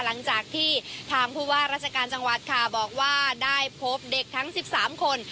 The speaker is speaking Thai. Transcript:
หลังจากที่ทางผู้ว่าราชการจังหวัดค่ะบอกว่าได้พบเด็กทั้ง๑๓คน